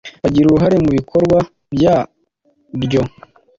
bagira uruhare mu bikorwa byaryo